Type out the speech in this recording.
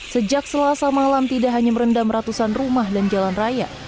sejak selasa malam tidak hanya merendam ratusan rumah dan jalan raya